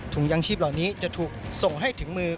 ยังชีพเหล่านี้จะถูกส่งให้ถึงมือ